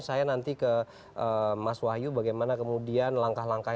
saya nanti ke mas wahyu bagaimana kemudian langkah langkah